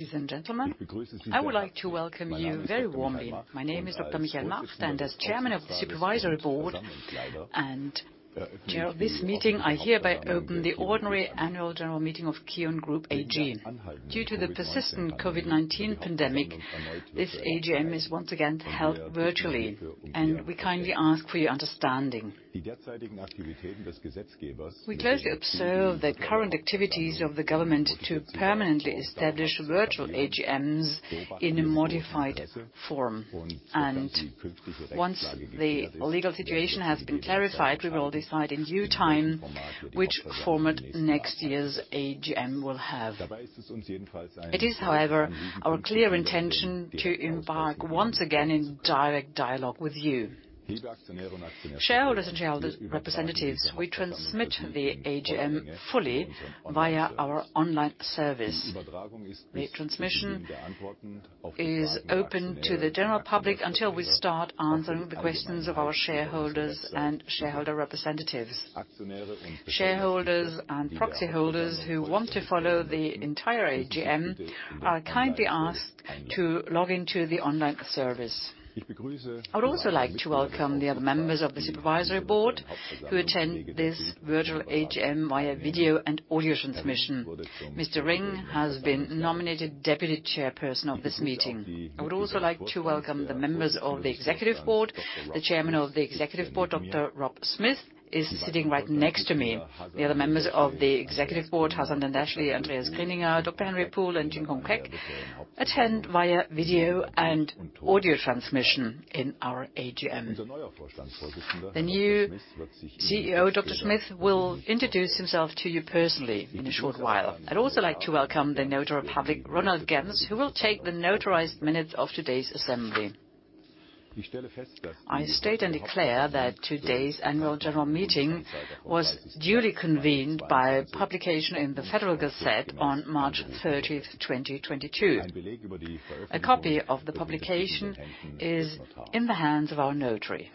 Ladies and gentlemen, I would like to welcome you very warmly. My name is Dr. Michael Macht, and as Chairman of the Supervisory Board and Chair of this meeting, I hereby open the ordinary annual general meeting of KION Group AG. Due to the persistent COVID-19 pandemic, this AGM is once again held virtually, and we kindly ask for your understanding. We closely observe the current activities of the government to permanently establish virtual AGMs in a modified form. Once the legal situation has been clarified, we will decide in due time which format next year's AGM will have. It is, however, our clear intention to embark once again in direct dialogue with you. Shareholders and shareholders' representatives, we transmit the AGM fully via our online service. The transmission is open to the general public until we start answering the questions of our shareholders and shareholder representatives. Shareholders and proxy holders who want to follow the entire AGM are kindly asked to log into the online service. I would also like to welcome the other members of the Supervisory Board who attend this virtual AGM via video and audio transmission. Mr. Ring has been nominated Deputy Chairperson of this meeting. I would also like to welcome the members of the Executive Board. The Chairman of the Executive Board, Dr. Rob Smith, is sitting right next to me. The other members of the Executive Board, Hasan Dandashly, Andreas Krinninger, Dr. Henry Puhl, and Ching Pong Quek, attend via video and audio transmission in our AGM. The new CEO, Dr. Smith, will introduce himself to you personally in a short while. I'd also like to welcome the Notary Public, Ronald Genz, who will take the notarized minutes of today's assembly. I state and declare that today's annual general meeting was duly convened by publication in the Federal Gazette on March 30th, 2022. A copy of the publication is in the hands of our notary.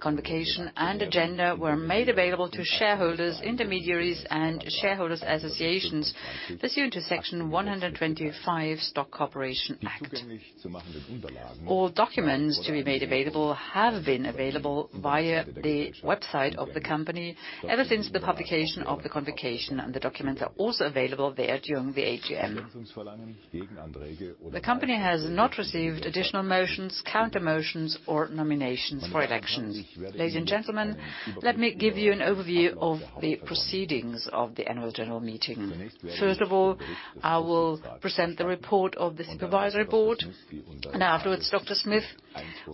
Convocation and agenda were made available to shareholders, intermediaries, and shareholders associations pursuant to Section 125, Stock Corporation Act. All documents to be made available have been available via the website of the company ever since the publication of the convocation, and the documents are also available there during the AGM. The company has not received additional motions, counter motions, or nominations for elections. Ladies and gentlemen, let me give you an overview of the proceedings of the annual general meeting. First of all, I will present the report of the Supervisory Board. Afterwards, Dr. Smith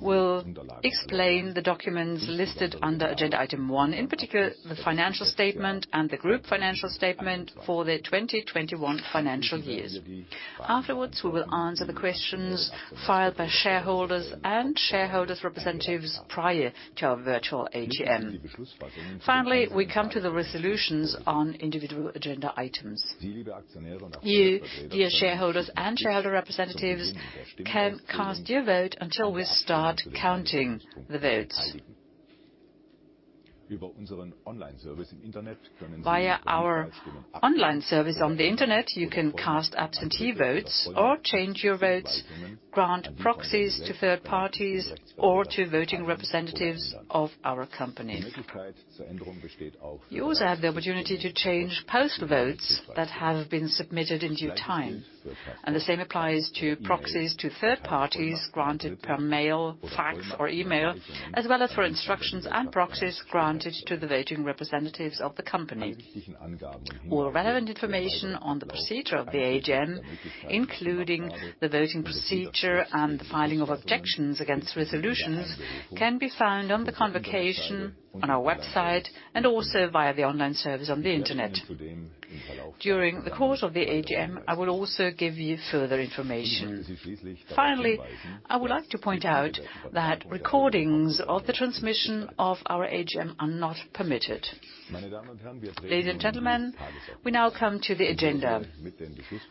will explain the documents listed under agenda item one, in particular, the financial statement and the group financial statement for the 2021 financial years. Afterwards, we will answer the questions filed by shareholders and shareholders' representatives prior to our virtual AGM. Finally, we come to the resolutions on individual agenda items. You, dear shareholders and shareholder representatives, can cast your vote until we start counting the votes. Via our online service on the internet, you can cast absentee votes or change your votes, grant proxies to third parties or to voting representatives of our company. You also have the opportunity to change postal votes that have been submitted in due time, and the same applies to proxies to third parties granted per mail, fax or email, as well as for instructions and proxies granted to the voting representatives of the company. All relevant information on the procedure of the AGM, including the voting procedure and the filing of objections against resolutions, can be found on the convocation on our website and also via the online service on the Internet. During the course of the AGM, I will also give you further information. Finally, I would like to point out that recordings of the transmission of our AGM are not permitted. Ladies and gentlemen, we now come to the agenda.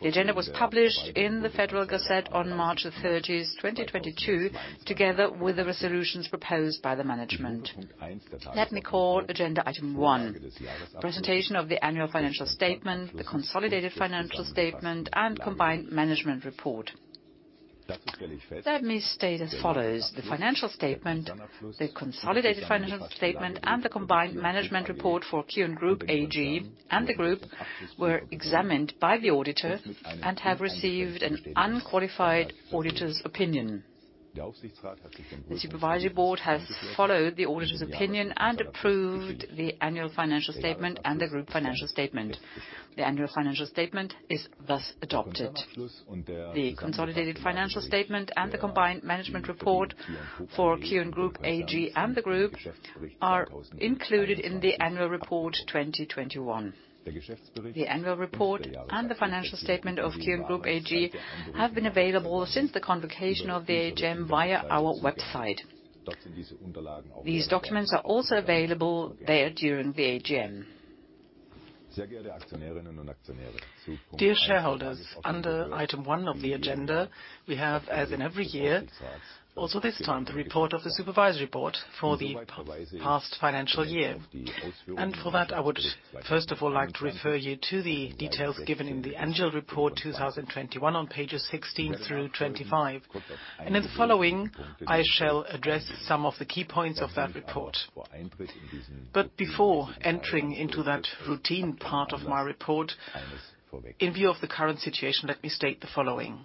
The agenda was published in the Federal Gazette on March 30, 2022, together with the resolutions proposed by the management. Let me call agenda item one: presentation of the annual financial statement, the consolidated financial statement, and combined management report. Let me state as follows: the financial statement, the consolidated financial statement, and the combined management report for KION Group AG and the group were examined by the auditor and have received an unqualified auditor's opinion. The Supervisory Board has followed the auditor's opinion and approved the annual financial statement and the group financial statement. The annual financial statement is thus adopted. The consolidated financial statement and the combined management report for KION Group AG and the group are included in the annual report 2021. The annual report and the financial statement of KION Group AG have been available since the convocation of the AGM via our website. These documents are also available there during the AGM. Sehr geehrte Aktionärinnen und Aktionäre. Dear shareholders, under item one of the agenda, we have, as in every year, also this time, the report of the Supervisory Board for the past financial year. For that, I would first of all like to refer you to the details given in the annual report 2021 on pages 16 through 25. In the following, I shall address some of the key points of that report. Before entering into that routine part of my report, in view of the current situation, let me state the following.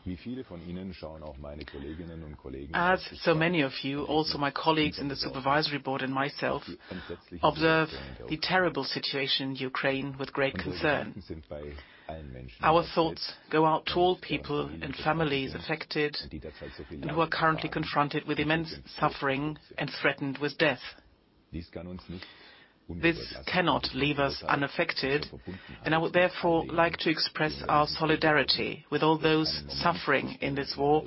As so many of you, also my colleagues in the Supervisory Board and myself observe the terrible situation in Ukraine with great concern. Our thoughts go out to all people and families affected and who are currently confronted with immense suffering and threatened with death. This cannot leave us unaffected, and I would therefore like to express our solidarity with all those suffering in this war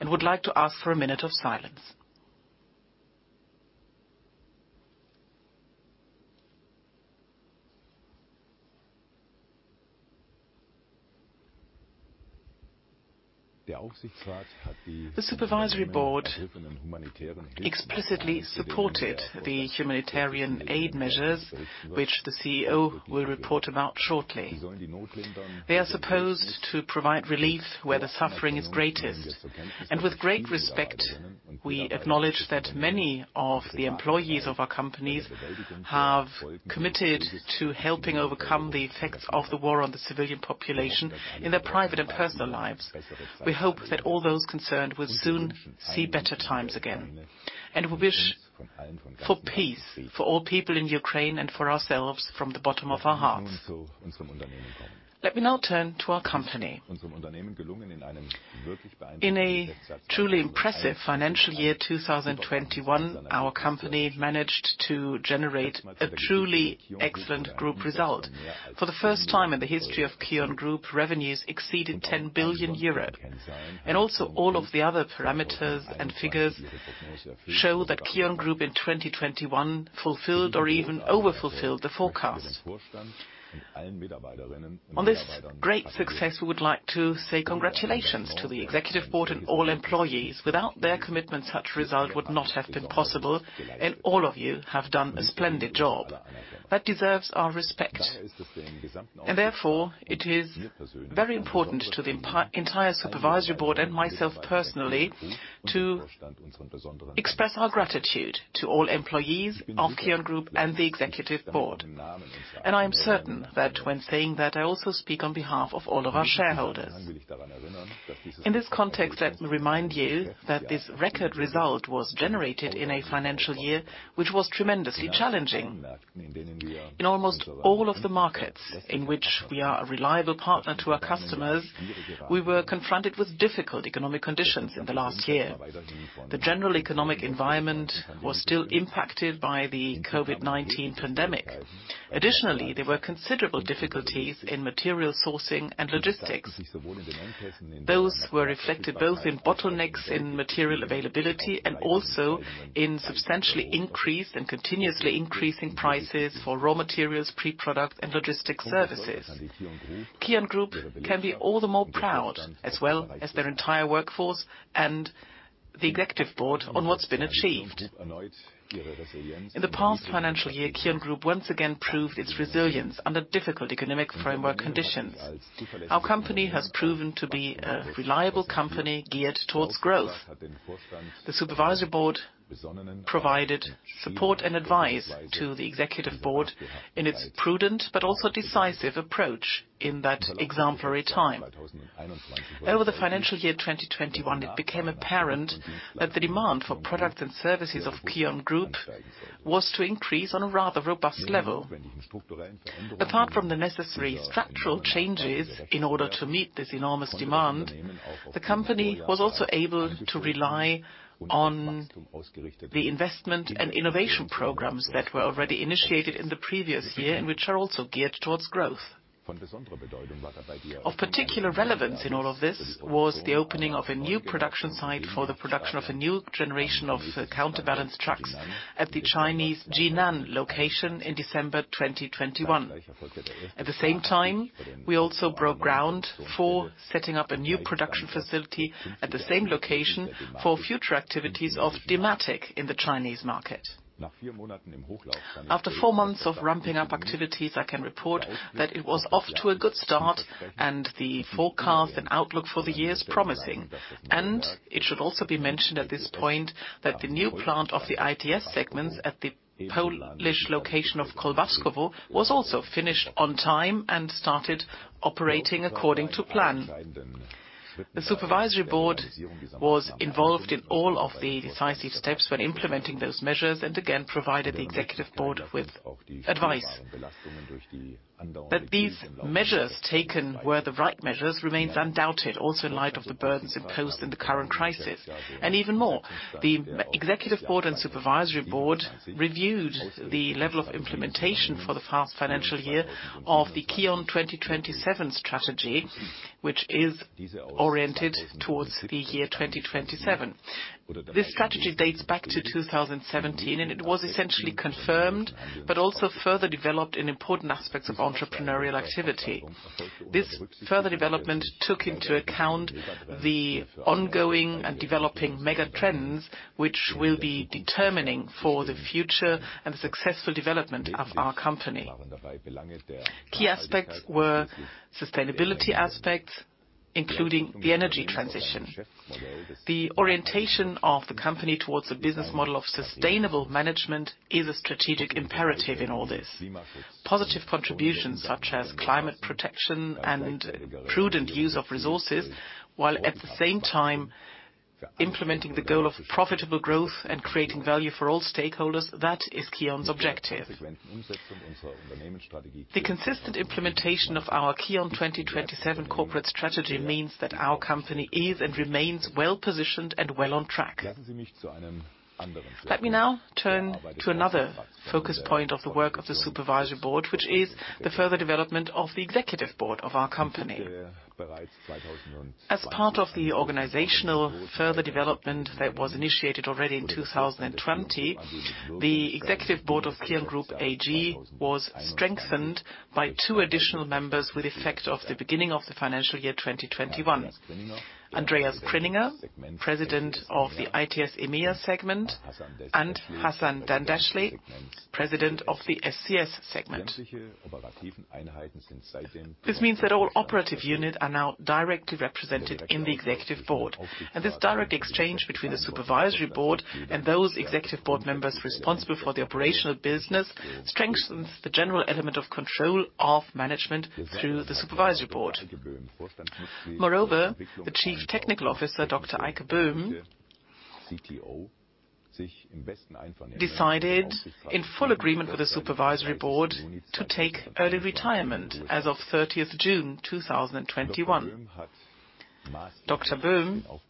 and would like to ask for a minute of silence. The supervisory board explicitly supported the humanitarian aid measures, which the CEO will report about shortly. They are supposed to provide relief where the suffering is greatest. With great respect, we acknowledge that many of the employees of our companies have committed to helping overcome the effects of the war on the civilian population in their private and personal lives. We hope that all those concerned will soon see better times again. We wish for peace for all people in Ukraine and for ourselves from the bottom of our hearts. Let me now turn to our company. In a truly impressive financial year 2021, our company managed to generate a truly excellent group result. For the first time in the history of KION Group, revenues exceeded 10 billion euro. Also all of the other parameters and figures show that KION Group in 2021 fulfilled or even overfulfilled the forecast. On this great success, we would like to say congratulations to the executive board and all employees. Without their commitment, such result would not have been possible, and all of you have done a splendid job. That deserves our respect. Therefore, it is very important to the entire supervisory board and myself personally to express our gratitude to all employees of KION Group and the executive board. I am certain that when saying that, I also speak on behalf of all of our shareholders. In this context, let me remind you that this record result was generated in a financial year which was tremendously challenging. In almost all of the markets in which we are a reliable partner to our customers, we were confronted with difficult economic conditions in the last year. The general economic environment was still impacted by the COVID-19 pandemic. Additionally, there were considerable difficulties in material sourcing and logistics. Those were reflected both in bottlenecks in material availability and also in substantially increased and continuously increasing prices for raw materials, pre-product and logistics services. KION Group can be all the more proud, as well as their entire workforce and the executive board, on what's been achieved. In the past financial year, KION Group once again proved its resilience under difficult economic framework conditions. Our company has proven to be a reliable company geared towards growth. The supervisory board provided support and advice to the executive board in its prudent but also decisive approach in that exemplary time. Over the financial year 2021, it became apparent that the demand for products and services of KION Group was to increase on a rather robust level. Apart from the necessary structural changes in order to meet this enormous demand, the company was also able to rely on the investment and innovation programs that were already initiated in the previous year and which are also geared towards growth. Of particular relevance in all of this was the opening of a new production site for the production of a new generation of counterbalance trucks at the Chinese Jinan location in December 2021. At the same time, we also broke ground for setting up a new production facility at the same location for future activities of Dematic in the Chinese market. After four months of ramping up activities, I can report that it was off to a good start and the forecast and outlook for the year is promising. It should also be mentioned at this point that the new plant of the ITS segments at the Polish location of Kołbaskowo was also finished on time and started operating according to plan. The supervisory board was involved in all of the decisive steps when implementing those measures and again, provided the executive board with advice. That these measures taken were the right measures remains undoubted, also in light of the burdens imposed in the current crisis. Even more, the executive board and supervisory board reviewed the level of implementation for the past financial year of the KION 2027 strategy, which is oriented towards the year 2027. This strategy dates back to 2017, and it was essentially confirmed but also further developed in important aspects of entrepreneurial activity. This further development took into account the ongoing and developing mega trends, which will be determining for the future and successful development of our company. Key aspects were sustainability aspects. Including the energy transition. The orientation of the company towards the business model of sustainable management is a strategic imperative in all this. Positive contributions such as climate protection and prudent use of resources, while at the same time implementing the goal of profitable growth and creating value for all stakeholders, that is KION's objective. The consistent implementation of our KION 2027 corporate strategy means that our company is and remains well-positioned and well on track. Let me now turn to another focus point of the work of the supervisory board, which is the further development of the executive board of our company. As part of the organizational further development that was initiated already in 2020, the executive board of KION Group AG was strengthened by two additional members with effect of the beginning of the financial year, 2021. Andreas Krinninger, President of the ITS EMEA segment, and Hasan Dandachly, President of the SCS segment. This means that all operative units are now directly represented in the executive board. This direct exchange between the supervisory board and those executive board members responsible for the operational business strengthens the general element of control of management through the supervisory board. Moreover, the Chief Technical Officer, Dr. Eike Böhm decided in full agreement with the supervisory board to take early retirement as of 30th June 2021. Dr. Böhm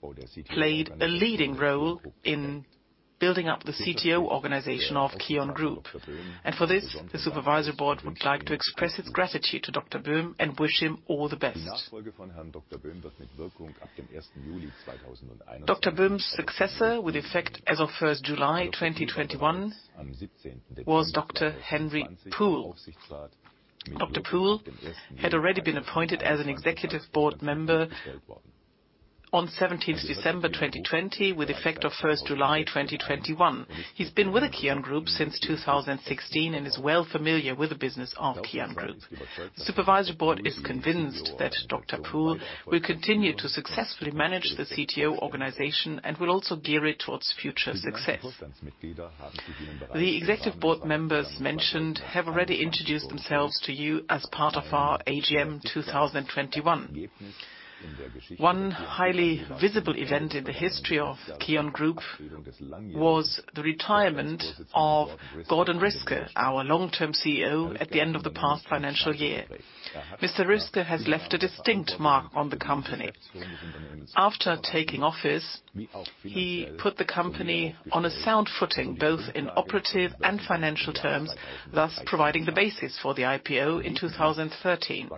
played a leading role in building up the CTO organization of KION Group. For this, the supervisory board would like to express its gratitude to Dr. Böhm and wish him all the best. Dr. Böhm's successor, with effect as of 1 July 2021, was Dr. Henry Puhl. Dr. Puhl had already been appointed as an executive board member on 17 December 2020, with effect of 1 July 2021. He's been with the KION Group since 2016 and is well familiar with the business of KION Group. The supervisory board is convinced that Dr. Puhl will continue to successfully manage the CTO organization and will also gear it towards future success. The executive board members mentioned have already introduced themselves to you as part of our AGM 2021. One highly visible event in the history of KION Group was the retirement of Gordon Riske, our long-term CEO, at the end of the past financial year. Mr. Riske has left a distinct mark on the company. After taking office, he put the company on a sound footing, both in operative and financial terms, thus providing the basis for the IPO in 2013.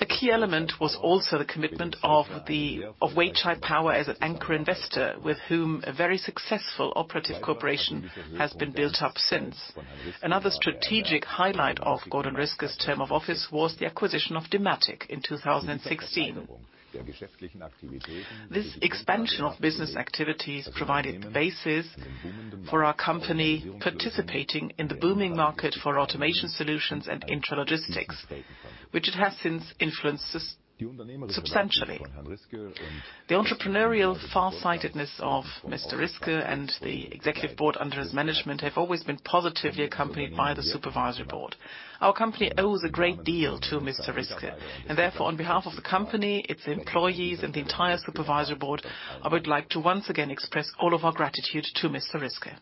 A key element was also the commitment of Weichai Power as an anchor investor with whom a very successful operative cooperation has been built up since. Another strategic highlight of Gordon Riske's term of office was the acquisition of Dematic in 2016. This expansion of business activities provided the basis for our company participating in the booming market for automation solutions and intralogistics, which it has since influenced substantially. The entrepreneurial farsightedness of Mr. Riske and the Executive Board under his management have always been positively accompanied by the Supervisory Board. Our company owes a great deal to Mr. Riske, and therefore, on behalf of the company, its employees, and the entire Supervisory Board, I would like to once again express all of our gratitude to Mr. Riske.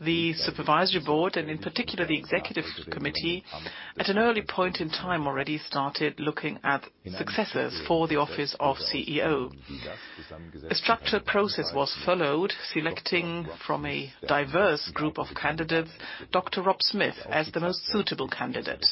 The Supervisory Board, and in particular, the Executive Committee, at an early point in time already started looking at successors for the office of CEO. A structured process was followed, selecting from a diverse group of candidates, Dr. Rob Smith as the most suitable candidate.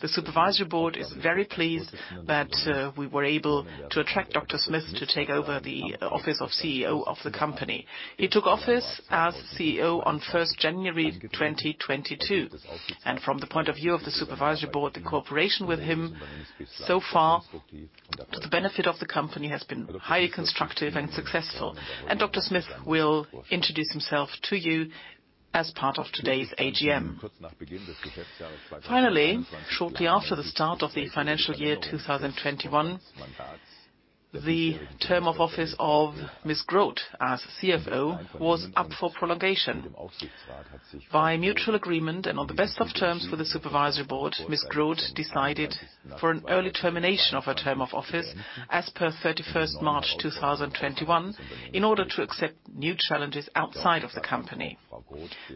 The Supervisory Board is very pleased that we were able to attract Dr. Smith to take over the office of CEO of the company. He took office as CEO on January 1, 2022. From the point of view of the Supervisory Board, the cooperation with him so far to the benefit of the company, has been highly constructive and successful. Dr. Rob Smith will introduce himself to you as part of today's AGM. Finally, shortly after the start of the financial year 2021, the term of office of Ms. Groth as CFO was up for prolongation. By mutual agreement and on the best of terms for the Supervisory Board, Ms. Groth decided for an early termination of her term of office as per March 31, 2021, in order to accept new challenges outside of the company.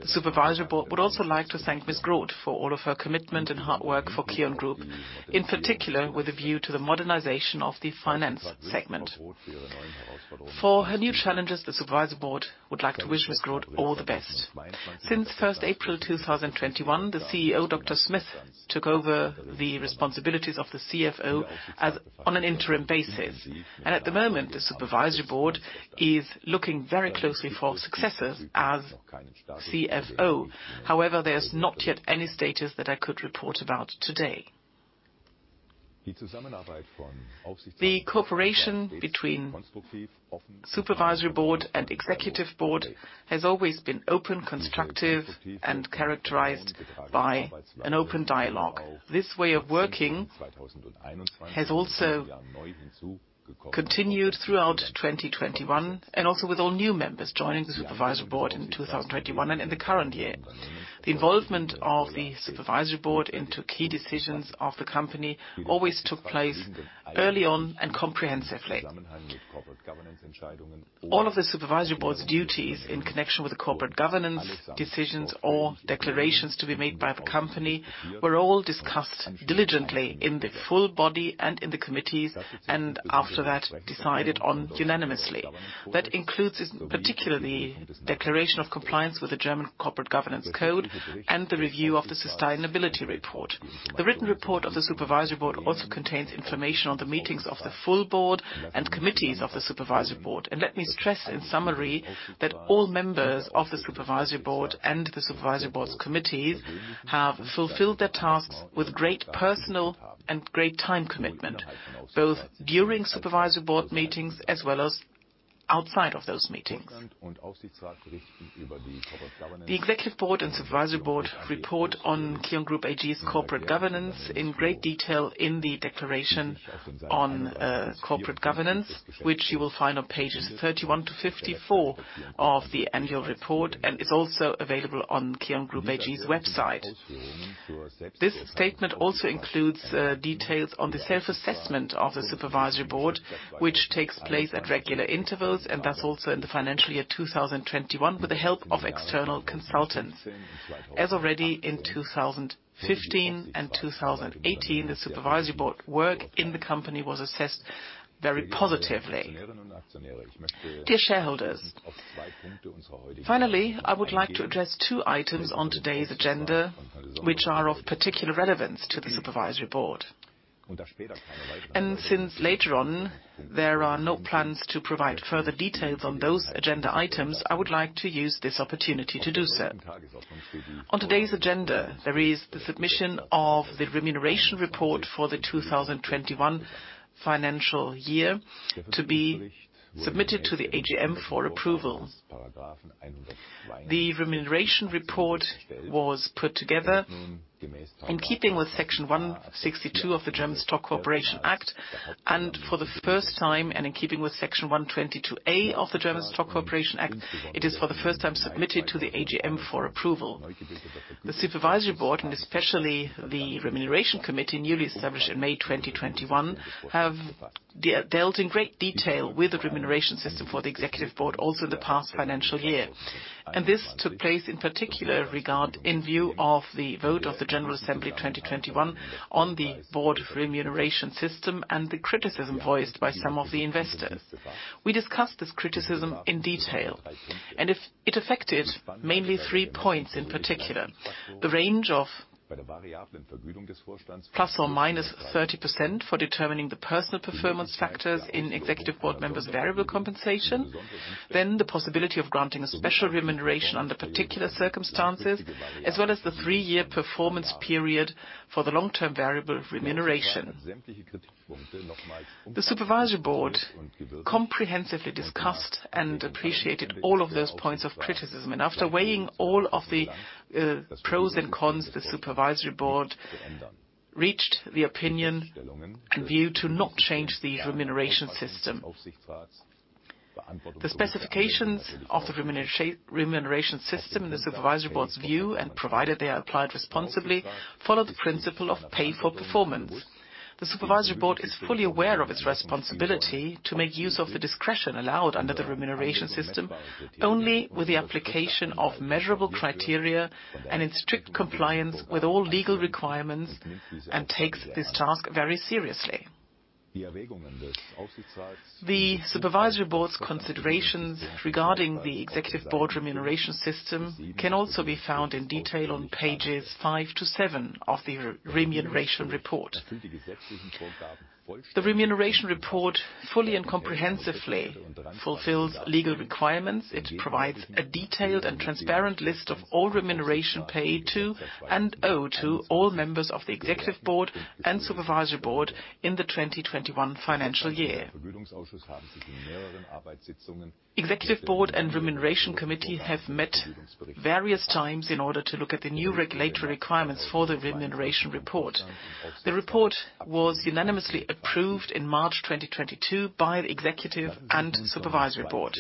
The Supervisory Board would also like to thank Ms. Ms. Groth for all of her commitment and hard work for KION Group, in particular, with a view to the modernization of the finance segment. For her new challenges, the supervisory board would like to wish Ms. Groth all the best. Since first April 2021, the CEO, Dr. Smith, took over the responsibilities of the CFO on an interim basis. At the moment, the supervisory board is looking very closely for successors as CFO. However, there's not yet any status that I could report about today. The cooperation between supervisory board and executive board has always been open, constructive, and characterized by an open dialogue. This way of working has also continued throughout 2021 and also with all new members joining the supervisory board in 2021 and in the current year. The involvement of the Supervisory Board into key decisions of the company always took place early on and comprehensively. All of the Supervisory Board's duties in connection with the corporate governance decisions or declarations to be made by the company were all discussed diligently in the full body and in the committees, and after that, decided on unanimously. That includes particularly declaration of compliance with the German Corporate Governance Code and the review of the sustainability report. The written report of the Supervisory Board also contains information on the meetings of the full board and committees of the Supervisory Board. Let me stress in summary that all members of the Supervisory Board and the Supervisory Board's committees have fulfilled their tasks with great personal and great time commitment, both during Supervisory Board meetings as well as outside of those meetings. The executive board and supervisory board report on KION Group AG's corporate governance in great detail in the declaration on corporate governance, which you will find on pages 31-54 of the annual report, and is also available on KION Group AG's website. This statement also includes details on the self-assessment of the supervisory board, which takes place at regular intervals, and thus also in the financial year 2021 with the help of external consultants. As already in 2015 and 2018, the supervisory board work in the company was assessed very positively. Dear shareholders, finally, I would like to address two items on today's agenda which are of particular relevance to the supervisory board. Since later on, there are no plans to provide further details on those agenda items, I would like to use this opportunity to do so. On today's agenda, there is the submission of the remuneration report for the 2021 financial year to be submitted to the AGM for approval. The remuneration report was put together in keeping with Section 162 of the German Stock Corporation Act. For the first time, and in keeping with Section 122a of the German Stock Corporation Act, it is for the first time submitted to the AGM for approval. The Supervisory Board, and especially the Remuneration Committee, newly established in May 2021, have dealt in great detail with the remuneration system for the Executive Board, also in the past financial year. This took place in particular regard in view of the vote of the general assembly of 2021 on the Board's remuneration system and the criticism voiced by some of the investors. We discussed this criticism in detail, and it affected mainly three points in particular: the range of ±30% for determining the personal performance factors in Executive Board members' variable compensation, the possibility of granting a special remuneration under particular circumstances, as well as the three-year performance period for the long-term variable remuneration. The Supervisory Board comprehensively discussed and appreciated all of those points of criticism. After weighing all of the pros and cons, the Supervisory Board reached the opinion and view to not change the remuneration system. The specifications of the remuneration system in the Supervisory Board's view, provided they are applied responsibly, follow the principle of pay for performance. The Supervisory Board is fully aware of its responsibility to make use of the discretion allowed under the remuneration system only with the application of measurable criteria and in strict compliance with all legal requirements, and takes this task very seriously. The Supervisory Board's considerations regarding the Executive Board remuneration system can also be found in detail on pages 5 to 7 of the remuneration report. The remuneration report fully and comprehensively fulfills legal requirements. It provides a detailed and transparent list of all remuneration paid to and owed to all members of the Executive Board and Supervisory Board in the 2021 financial year. Executive Board and Remuneration Committee have met various times in order to look at the new regulatory requirements for the remuneration report. The report was unanimously approved in March 2022 by the Executive and Supervisory Board.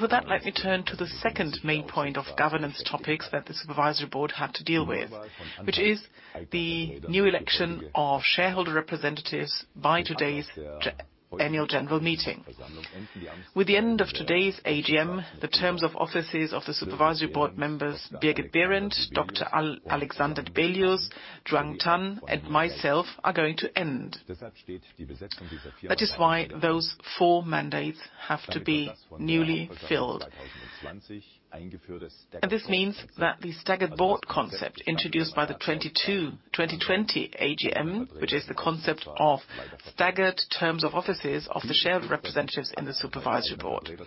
With that, let me turn to the second main point of governance topics that the supervisory board had to deal with, which is the new election of shareholder representatives by today's annual general meeting. With the end of today's AGM, the terms of offices of the supervisory board members, Birgit A. Behrendt, Dr. Alexander Dibelius, Tan Xuguang, and myself are going to end. That is why those four mandates have to be newly filled. This means that the staggered board concept introduced by the 2020 AGM, which is the concept of staggered terms of offices of the shareholder representatives in the supervisory board.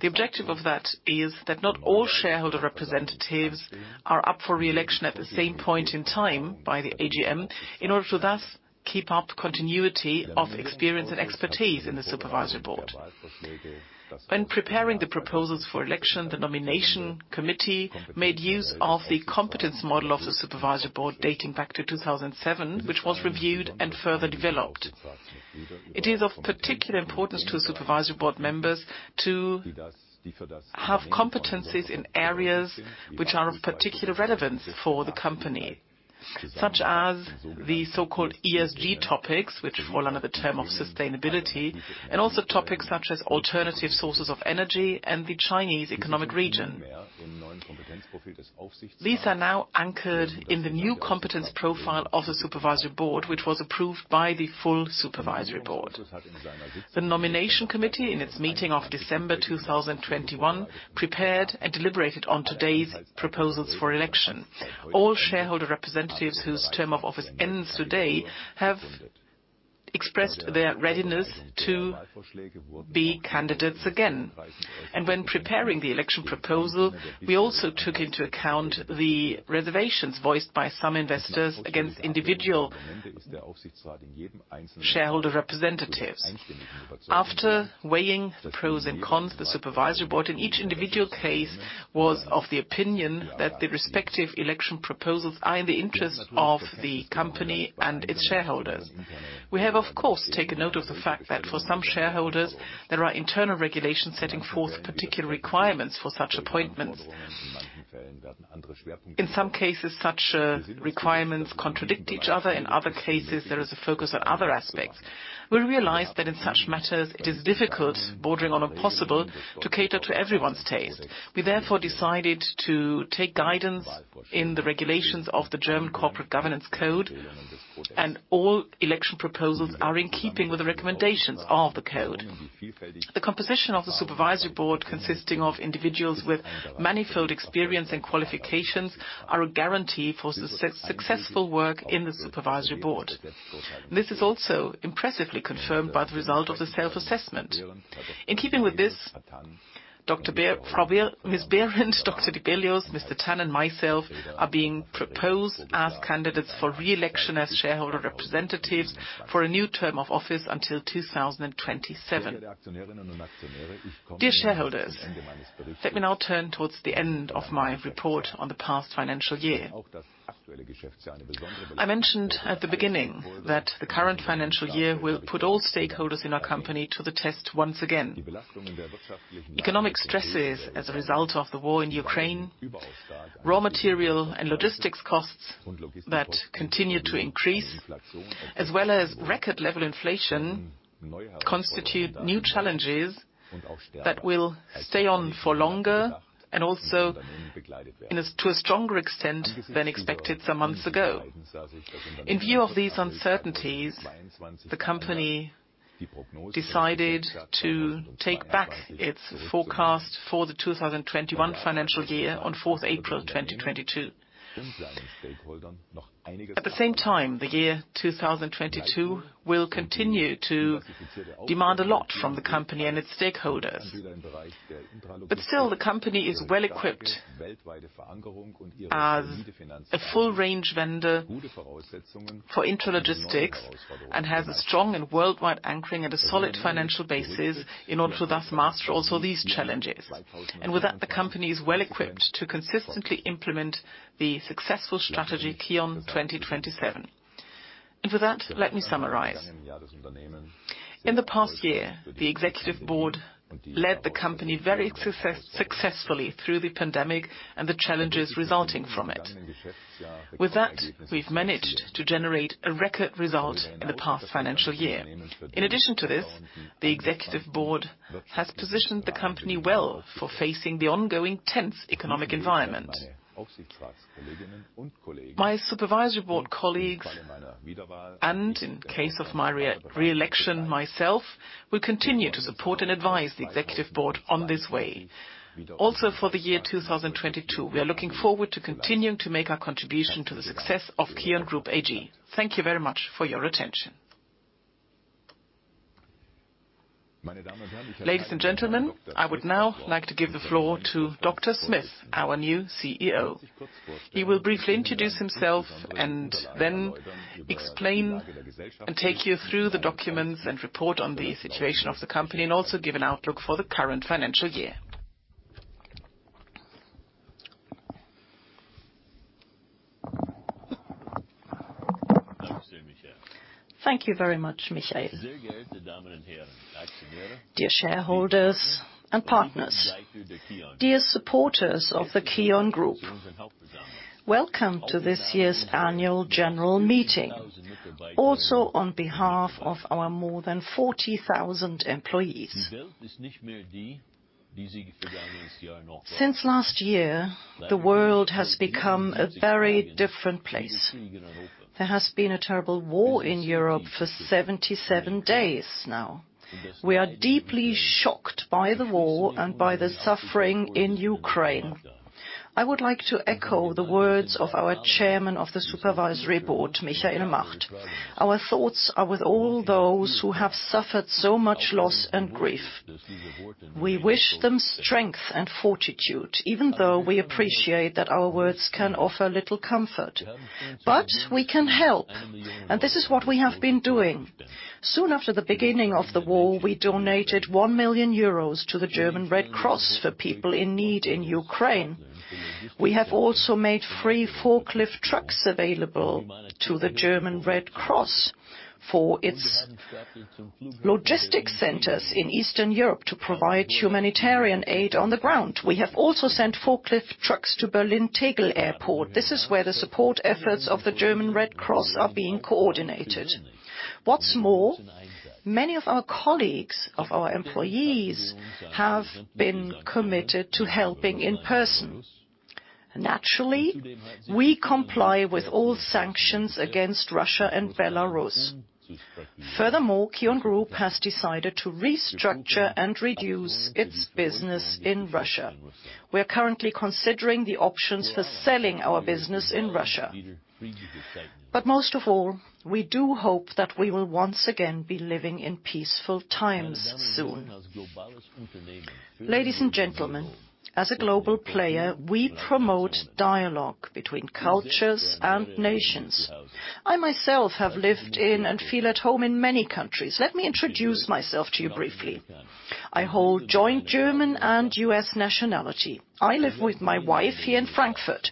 The objective of that is that not all shareholder representatives are up for re-election at the same point in time by the AGM in order to thus keep up continuity of experience and expertise in the supervisory board. When preparing the proposals for election, the nomination committee made use of the competence model of the supervisory board dating back to 2007, which was reviewed and further developed. It is of particular importance to supervisory board members to have competencies in areas which are of particular relevance for the company, such as the so-called ESG topics, which fall under the term of sustainability, and also topics such as alternative sources of energy and the Chinese economic region. These are now anchored in the new competence profile of the supervisory board, which was approved by the full supervisory board. The nomination committee, in its meeting of December 2021, prepared and deliberated on today's proposals for election. All shareholder representatives whose term of office ends today have expressed their readiness to be candidates again. When preparing the election proposal, we also took into account the reservations voiced by some investors against individual shareholder representatives. After weighing the pros and cons, the supervisory board in each individual case was of the opinion that the respective election proposals are in the interest of the company and its shareholders. We have, of course, taken note of the fact that for some shareholders, there are internal regulations setting forth particular requirements for such appointments. In some cases, such requirements contradict each other. In other cases, there is a focus on other aspects. We realize that in such matters, it is difficult, bordering on impossible, to cater to everyone's taste. We therefore decided to take guidance in the regulations of the German Corporate Governance Code, and all election proposals are in keeping with the recommendations of the code. The composition of the supervisory board, consisting of individuals with manifold experience and qualifications, are a guarantee for successful work in the supervisory board. This is also impressively confirmed by the result of the self-assessment. In keeping with this, Birgit A. Behrendt, Dr. Alexander Dibelius, Tan Xuguang, and myself are being proposed as candidates for re-election as shareholder representatives for a new term of office until 2027. Dear shareholders, let me now turn towards the end of my report on the past financial year. I mentioned at the beginning that the current financial year will put all stakeholders in our company to the test once again. Economic stresses as a result of the war in Ukraine, raw material and logistics costs that continue to increase, as well as record-level inflation constitute new challenges that will stay on for longer and also to a stronger extent than expected some months ago. In view of these uncertainties, the company decided to take back its forecast for the 2021 financial year on April 4, 2022. At the same time, the year 2022 will continue to demand a lot from the company and its stakeholders. Still, the company is well-equipped as a full-range vendor for intralogistics and has a strong and worldwide anchoring and a solid financial basis in order to thus master also these challenges. With that, the company is well-equipped to consistently implement the successful strategy KION 2027. With that, let me summarize. In the past year, the executive board led the company very successfully through the pandemic and the challenges resulting from it. With that, we've managed to generate a record result in the past financial year. In addition to this, the executive board has positioned the company well for facing the ongoing tense economic environment. My supervisory board colleagues and, in case of my reelection, myself, will continue to support and advise the executive board on this way. Also for the year 2022, we are looking forward to continuing to make our contribution to the success of KION Group AG. Thank you very much for your attention. Ladies and gentlemen, I would now like to give the floor to Dr. Rob Smith, our new CEO. He will briefly introduce himself and then explain and take you through the documents and report on the situation of the company and also give an outlook for the current financial year. Thank you very much, Michael. Dear shareholders and partners, dear supporters of the KION Group, welcome to this year's annual general meeting, also on behalf of our more than 40,000 employees. Since last year, the world has become a very different place. There has been a terrible war in Europe for 77 days now. We are deeply shocked by the war and by the suffering in Ukraine. I would like to echo the words of our Chairman of the Supervisory Board, Dr. Michael Macht. Our thoughts are with all those who have suffered so much loss and grief. We wish them strength and fortitude, even though we appreciate that our words can offer little comfort. We can help, and this is what we have been doing. Soon after the beginning of the war, we donated 1 million euros to the German Red Cross for people in need in Ukraine. We have also made free forklift trucks available to the German Red Cross for its logistics centers in Eastern Europe to provide humanitarian aid on the ground. We have also sent forklift trucks to Berlin Tegel Airport. This is where the support efforts of the German Red Cross are being coordinated. What's more, many of our colleagues, of our employees, have been committed to helping in person. Naturally, we comply with all sanctions against Russia and Belarus. Furthermore, KION Group has decided to restructure and reduce its business in Russia. We are currently considering the options for selling our business in Russia. Most of all, we do hope that we will once again be living in peaceful times soon. Ladies and gentlemen, as a global player, we promote dialogue between cultures and nations. I myself have lived in and feel at home in many countries. Let me introduce myself to you briefly. I hold joint German and U.S. nationality. I live with my wife here in Frankfurt.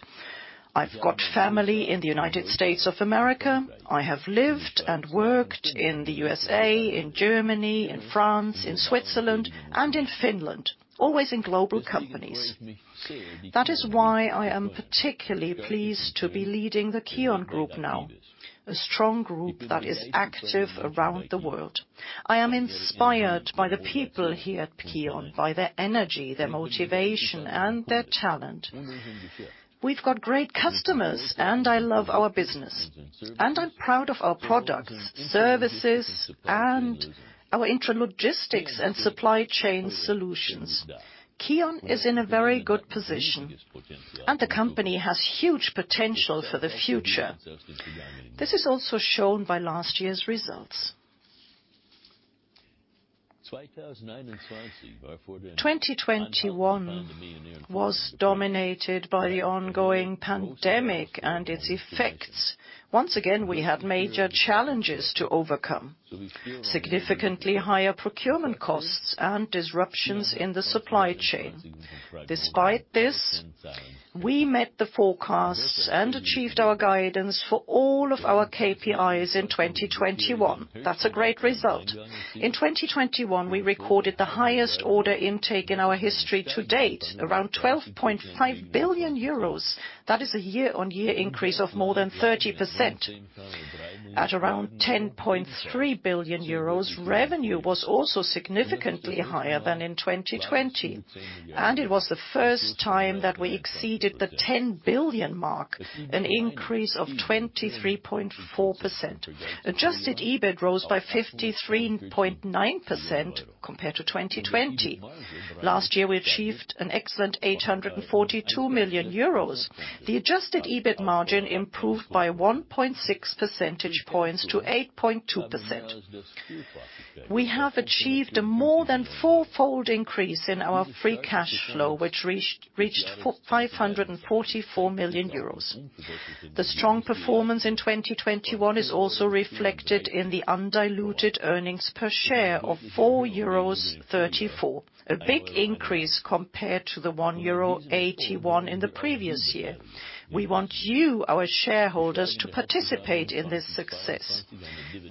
I've got family in the United States of America. I have lived and worked in the USA, in Germany, in France, in Switzerland, and in Finland, always in global companies. That is why I am particularly pleased to be leading the KION Group now, a strong group that is active around the world. I am inspired by the people here at KION, by their energy, their motivation, and their talent. We've got great customers, and I love our business. I'm proud of our products, services, and our intralogistics and supply chain solutions. KION is in a very good position, and the company has huge potential for the future. This is also shown by last year's results. 2021 was dominated by the ongoing pandemic and its effects. Once again, we had major challenges to overcome, significantly higher procurement costs and disruptions in the supply chain. Despite this, we met the forecasts and achieved our guidance for all of our KPIs in 2021. That's a great result. In 2021, we recorded the highest order intake in our history to date, around 12.5 billion euros. That is a year-on-year increase of more than 30%. At around 10.3 billion euros, revenue was also significantly higher than in 2020. It was the first time that we exceeded the 10 billion mark, an increase of 23.4%. Adjusted EBIT rose by 53.9% compared to 2020. Last year, we achieved an excellent 842 million euros. The adjusted EBIT margin improved by 1.6 percentage points to 8.2%. We have achieved a more than fourfold increase in our free cash flow, which reached 544 million euros. The strong performance in 2021 is also reflected in the undiluted earnings per share of 4.34 euros, a big increase compared to the 1.81 euro in the previous year. We want you, our shareholders, to participate in this success.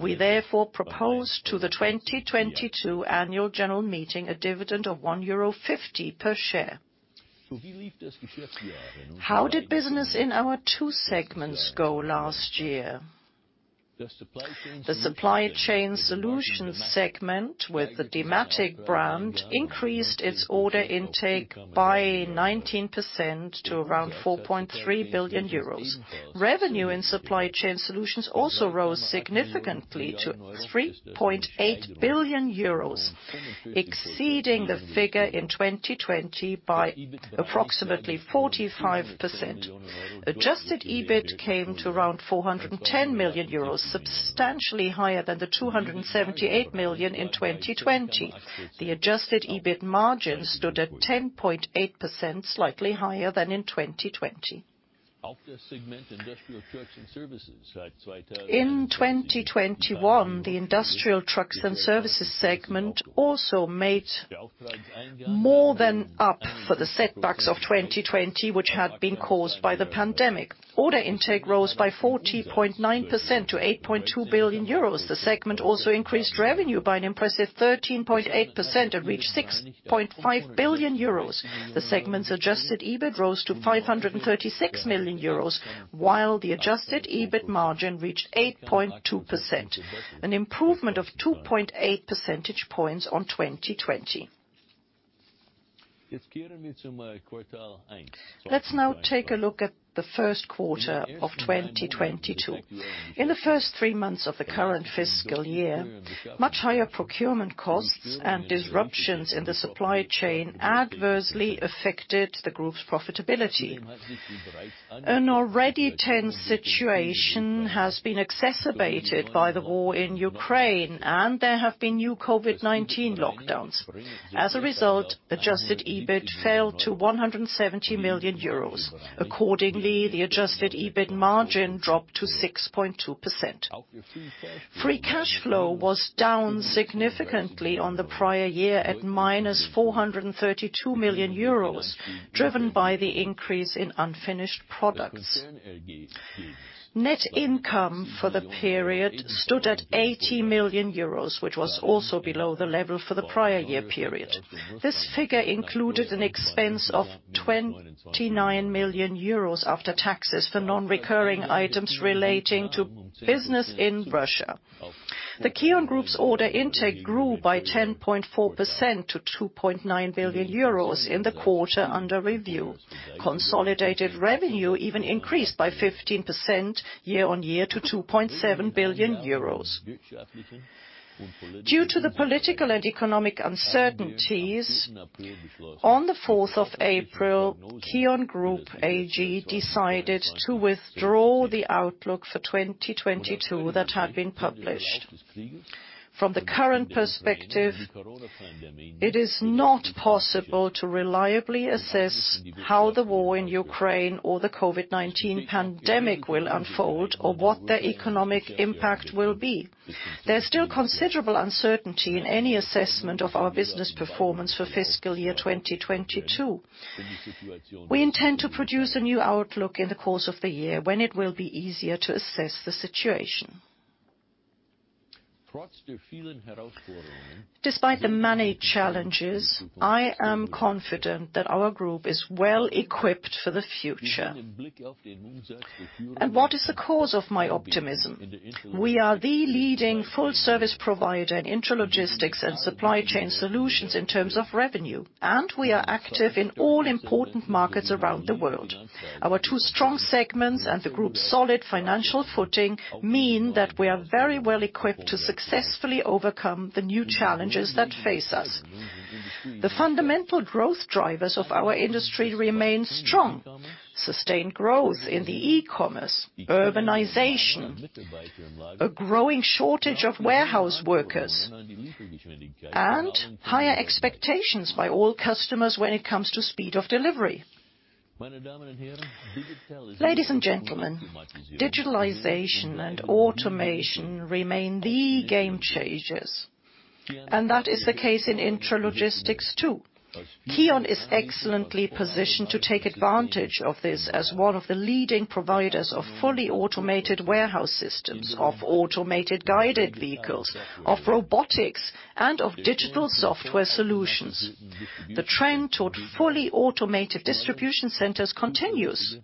We therefore propose to the 2022 annual general meeting a dividend of 1.50 euro per share. How did business in our two segments go last year? The Supply Chain Solutions segment with the Dematic brand increased its order intake by 19% to around 4.3 billion euros. Revenue in Supply Chain Solutions also rose significantly to 3.8 billion euros, exceeding the figure in 2020 by approximately 45%. Adjusted EBIT came to around 410 million euros, substantially higher than the 278 million in 2020. The adjusted EBIT margin stood at 10.8%, slightly higher than in 2020. In 2021, the Industrial Trucks and Services segment also made more than up for the setbacks of 2020, which had been caused by the pandemic. Order intake rose by 14.9% to 8.2 billion euros. The segment also increased revenue by an impressive 13.8% and reached 6.5 billion euros. The segment's adjusted EBIT rose to 536 million euros, while the adjusted EBIT margin reached 8.2%, an improvement of 2.8 percentage points on 2020. Let's now take a look at the first quarter of 2022. In the first three months of the current fiscal year, much higher procurement costs and disruptions in the supply chain adversely affected the group's profitability. An already tense situation has been exacerbated by the war in Ukraine, and there have been new COVID-19 lockdowns. As a result, adjusted EBIT fell to 170 million euros. Accordingly, the adjusted EBIT margin dropped to 6.2%. Free cash flow was down significantly on the prior year at -432 million euros, driven by the increase in unfinished products. Net income for the period stood at 80 million euros, which was also below the level for the prior year period. This figure included an expense of 29 million euros after taxes for non-recurring items relating to business in Russia. The KION Group's order intake grew by 10.4% to 2.9 billion euros in the quarter under review. Consolidated revenue even increased by 15% year-over-year to 2.7 billion euros. Due to the political and economic uncertainties, on the fourth of April, KION Group AG decided to withdraw the outlook for 2022 that had been published. From the current perspective, it is not possible to reliably assess how the war in Ukraine or the COVID-19 pandemic will unfold or what their economic impact will be. There's still considerable uncertainty in any assessment of our business performance for fiscal year 2022. We intend to produce a new outlook in the course of the year when it will be easier to assess the situation. Despite the many challenges, I am confident that our group is well-equipped for the future. What is the cause of my optimism? We are the leading full service provider in intralogistics and supply chain solutions in terms of revenue, and we are active in all important markets around the world. Our two strong segments and the group's solid financial footing mean that we are very well-equipped to successfully overcome the new challenges that face us. The fundamental growth drivers of our industry remain strong: sustained growth in the e-commerce, urbanization, a growing shortage of warehouse workers, and higher expectations by all customers when it comes to speed of delivery. Ladies and gentlemen, digitalization and automation remain the game changers, and that is the case in intralogistics too. KION is excellently positioned to take advantage of this as one of the leading providers of fully automated warehouse systems, of automated guided vehicles, of robotics, and of digital software solutions. The trend toward fully automated distribution centers continues.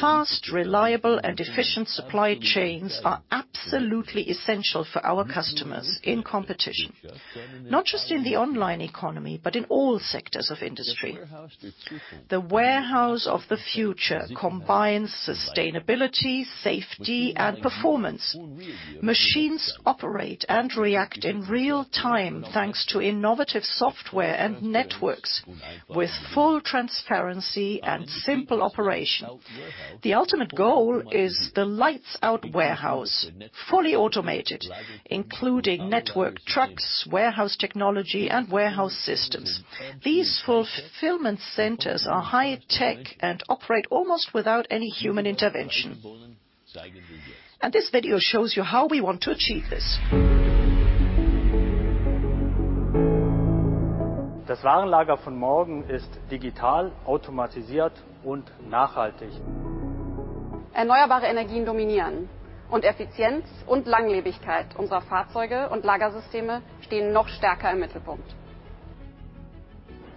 Fast, reliable, and efficient supply chains are absolutely essential for our customers in competition, not just in the online economy, but in all sectors of industry. The warehouse of the future combines sustainability, safety, and performance. Machines operate and react in real-time, thanks to innovative software and networks with full transparency and simple operation. The ultimate goal is the lights-out warehouse, fully automated, including network trucks, warehouse technology, and warehouse systems. These fulfillment centers are high tech and operate almost without any human intervention. This video shows you how we want to achieve this. The warehouse of the future is digital, automated, and sustainable. Renewable energies dominate, and the efficiency and durability of our vehicles and warehouse systems are even more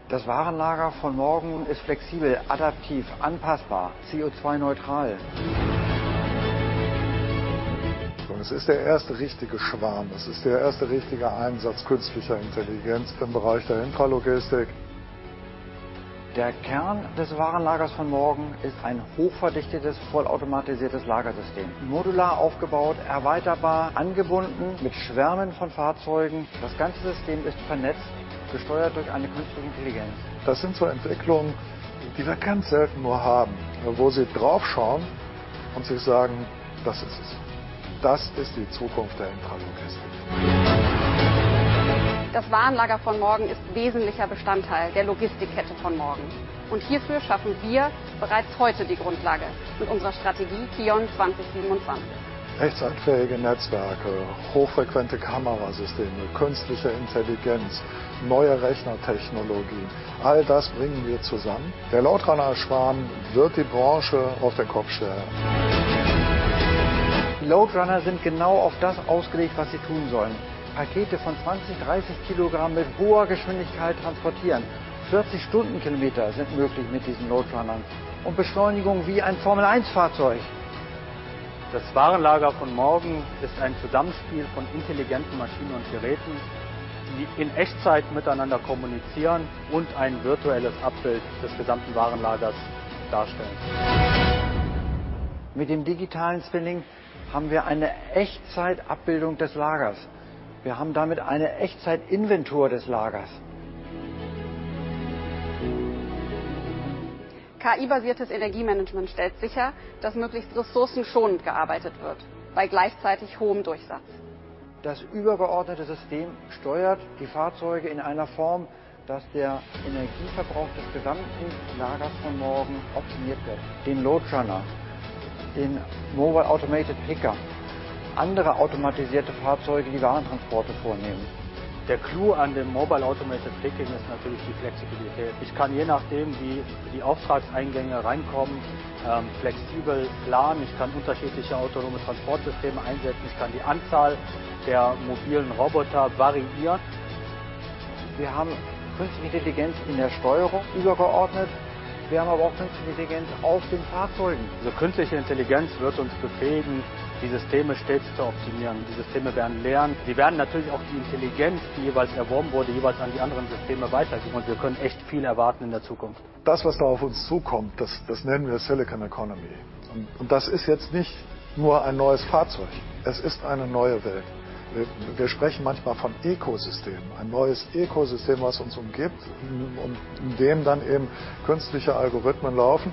central. The warehouse of the future is flexible, adaptive, customizable, CO2 neutral. It is the first real swarm. This is the first real use of artificial intelligence in the field of intralogistics. The core of the warehouse of the future is a highly dense, fully automated warehouse system, modularly structured, expandable, connected with swarms of vehicles. The entire system is networked, controlled by an artificial intelligence. These are developments that we very rarely have, where you look at them and you say, "That's it. That is the future of intralogistics. The warehouse of the future is an essential part of the logistics chain of the future, and we are already laying the foundation for this today with our KION 2027 strategy. Real-time networks, high-frequency camera systems, artificial intelligence, new computing technologies, we bring all of this together. The LoadRunner swarm will turn the industry on its head. LoadRunners are designed exactly for what they are supposed to do: transport packages of 20, 30 kilograms at high speed. 40 kilometers per hour are possible with these LoadRunners, and acceleration like a Formula One vehicle. Das Warenlager von morgen ist ein Zusammenspiel von intelligenten Maschinen und Geräten, die in Echtzeit miteinander kommunizieren und ein virtuelles Abbild des gesamten Warenlagers darstellen. Mit dem digitalen Zwilling haben wir eine Echtzeitabbildung des Lagers. Wir haben damit eine Echtzeitinventur des Lagers. KI-basiertes Energiemanagement stellt sicher, dass möglichst ressourcenschonend gearbeitet wird bei gleichzeitig hohem Durchsatz. Das übergeordnete System steuert die Fahrzeuge in einer Form, dass der Energieverbrauch des gesamten Lagers von morgen optimiert wird, den LoadRunner, den Mobile Automated Picker, andere automatisierte Fahrzeuge, die Warentransporte vornehmen. Der Clou an dem Mobile Automated Picker ist natürlich die Flexibilität. Ich kann je nachdem, wie die Auftragseingänge reinkommen, flexibel planen. Ich kann unterschiedliche autonome Transportsysteme einsetzen. Ich kann die Anzahl der mobilen Roboter variieren. Wir haben künstliche Intelligenz in der Steuerung übergeordnet. Wir haben aber auch künstliche Intelligenz auf den Fahrzeugen. Künstliche Intelligenz wird uns befähigen, die Systeme stets zu optimieren. Die Systeme werden lernen. Sie werden natürlich auch die Intelligenz, die jeweils erworben wurde, jeweils an die anderen Systeme weitergeben und wir können echt viel erwarten in der Zukunft. Das, was da auf uns zukommt, das nennen wir Silicon Economy. Das ist jetzt nicht nur ein neues Fahrzeug, es ist eine neue Welt. Wir sprechen manchmal von Ecosystem. Ein neues Ecosystem, was uns umgibt und in dem dann eben künstliche Algorithmen laufen,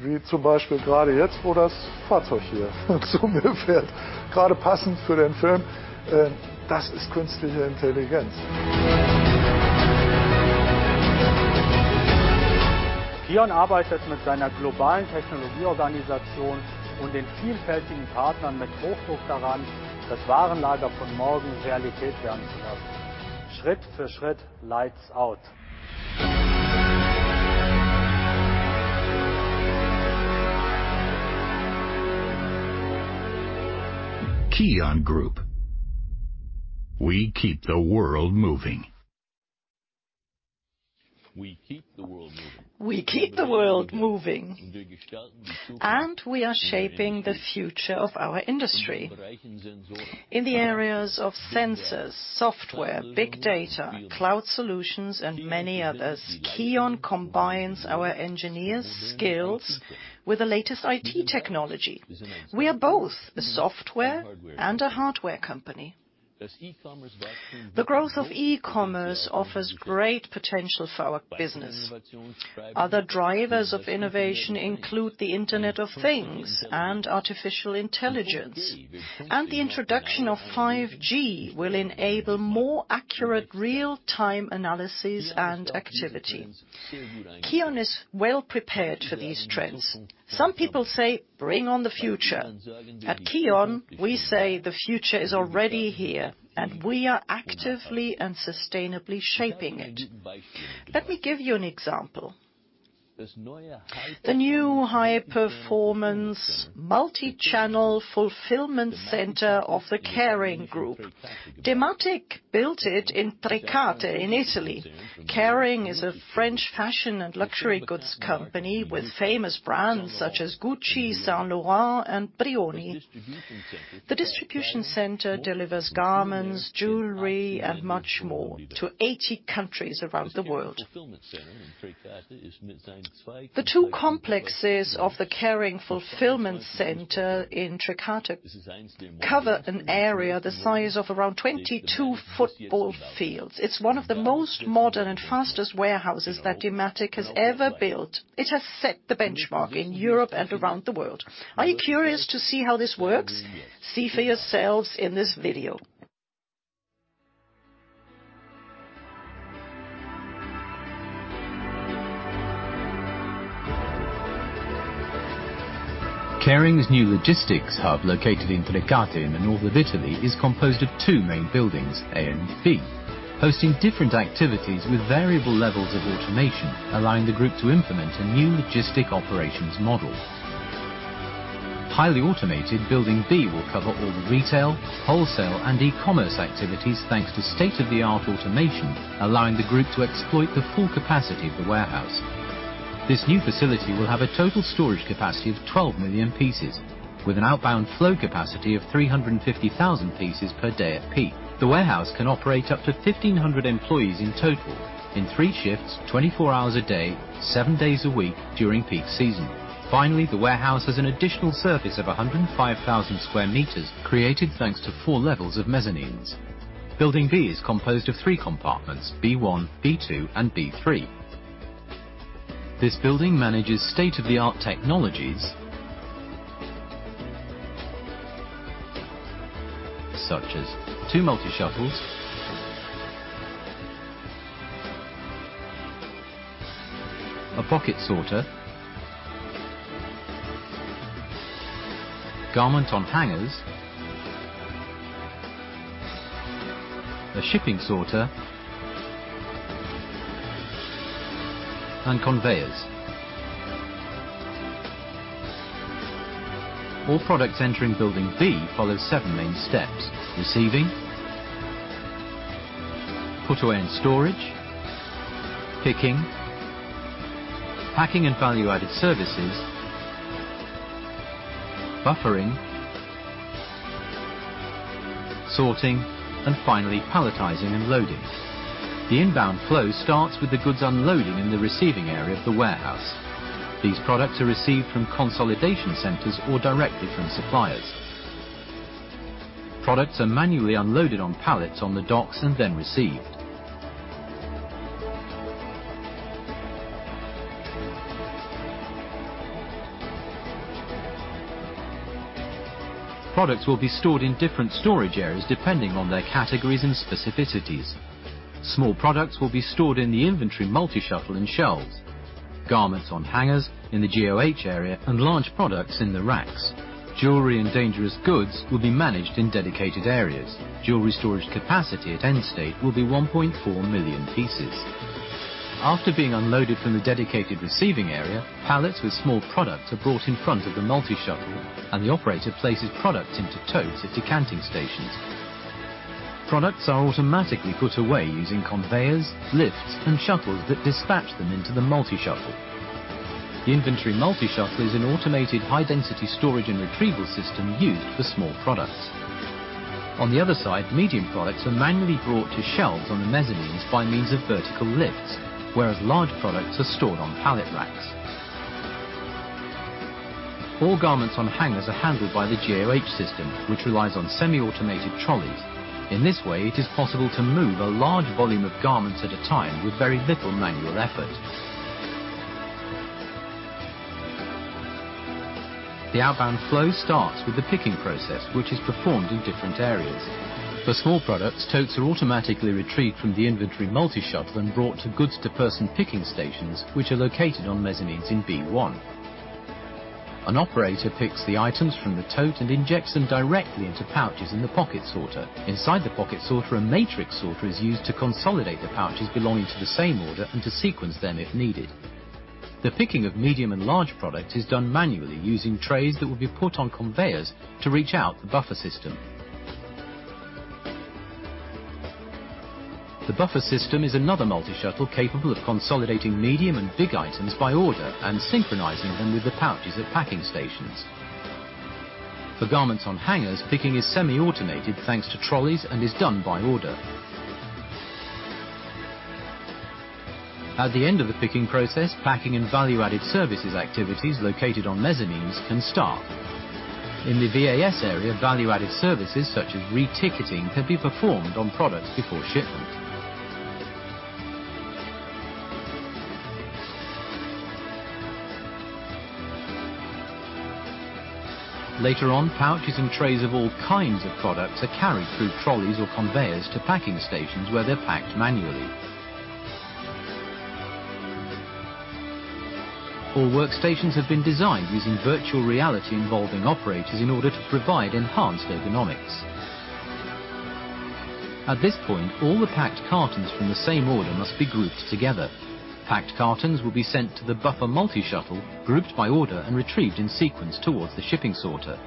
wie zum Beispiel gerade jetzt, wo das Fahrzeug hier zu mir fährt, gerade passend für den Film. Das ist künstliche Intelligenz. KION arbeitet mit seiner globalen Technologieorganisation und den vielfältigen Partnern mit Hochdruck daran, das Warenlager von morgen Realität werden zu lassen. Schritt für Schritt lights-out. KION Group. We keep the world moving. We keep the world moving and we are shaping the future of our industry. In the areas of sensors, software, big data, cloud solutions and many others, KION combines our engineers' skills with the latest IT technology. We are both a software and a hardware company. The growth of e-commerce offers great potential for our business. Other drivers of innovation include the Internet of Things and artificial intelligence, and the introduction of 5G will enable more accurate real time analysis and activity. KION is well prepared for these trends. Some people say, "Bring on the future." At KION, we say, "The future is already here and we are actively and sustainably shaping it." Let me give you an example. The new high performance multichannel fulfillment center of the Kering Group. Dematic built it in Trecate, Italy. Kering is a French fashion and luxury goods company with famous brands such as Gucci, Saint Laurent and Brioni. The distribution center delivers garments, jewelry and much more to 80 countries around the world. The two complexes of the Kering Fulfillment Center in Trecate cover an area the size of around 22 football fields. It's one of the most modern and fastest warehouses that Dematic has ever built. It has set the benchmark in Europe and around the world. Are you curious to see how this works? See for yourselves in this video. Kering Fulfillment Center, located in Trecate in the north of Italy, is composed of two main buildings, A and B, hosting different activities with variable levels of automation, allowing the group to implement a new logistic operations model. Highly automated Building B will cover all the retail, wholesale, and e-commerce activities, thanks to state-of-the-art automation, allowing the group to exploit the full capacity of the warehouse. This new facility will have a total storage capacity of 12 million pieces, with an outbound flow capacity of 350,000 pieces per day at peak. The warehouse can operate up to 1,500 employees in total in 3 shifts, 24 hours a day, 7 days a week during peak season. The warehouse has an additional surface of 105,000 square meters, created thanks to 4 levels of mezzanines. Building B is composed of three compartments: B1, B2, and B3. This building manages state-of-the-art technologies such as two Multishuttles, a Pouch Sorter, garment on hangers, a shipping sorter, and conveyors. All products entering Building B follow seven main steps: receiving, put away and storage, picking, packing and value-added services, buffering, sorting, and finally palletizing and loading. The inbound flow starts with the goods unloading in the receiving area of the warehouse. These products are received from consolidation centers or directly from suppliers. Products are manually unloaded on pallets on the docks and then received. Products will be stored in different storage areas depending on their categories and specificities. Small products will be stored in the inventory Multishuttle and shelves. Garments on hangers in the GOH area and large products in the racks. Jewelry and dangerous goods will be managed in dedicated areas. Jewelry storage capacity at end state will be 1.4 million pieces. After being unloaded from the dedicated receiving area, pallets with small products are brought in front of the Multishuttle and the operator places products into totes at decanting stations. Products are automatically put away using conveyors, lifts, and shuttles that dispatch them into the Multishuttle. The inventory Multishuttle is an automated high-density storage and retrieval system used for small products. On the other side, medium products are manually brought to shelves on the mezzanines by means of vertical lifts, whereas large products are stored on pallet racks. All garments on hangers are handled by the GOH system, which relies on semi-automated trolleys. In this way, it is possible to move a large volume of garments at a time with very little manual effort. The outbound flow starts with the picking process, which is performed in different areas. For small products, totes are automatically retrieved from the inventory Multishuttle and brought to goods to person picking stations, which are located on mezzanines in B1. An operator picks the items from the tote and injects them directly into pouches in the Pouch Sorter. Inside the Pouch Sorter, a matrix sorter is used to consolidate the pouches belonging to the same order and to sequence them if needed. The picking of medium and large product is done manually using trays that will be put on conveyors to reach the buffer system. The buffer system is another Multishuttle capable of consolidating medium and big items by order and synchronizing them with the pouches at packing stations. For garments on hangers, picking is semi-automated, thanks to trolleys, and is done by order. At the end of the picking process, packing and value-added services activities located on mezzanines can start. In the VAS area, value-added services such as reticketing can be performed on products before shipment. Later on, pouches and trays of all kinds of products are carried through trolleys or conveyors to packing stations where they're packed manually. All workstations have been designed using virtual reality involving operators in order to provide enhanced ergonomics. At this point, all the packed cartons from the same order must be grouped together. Packed cartons will be sent to the buffer Multishuttle, grouped by order, and retrieved in sequence towards the shipping sorter.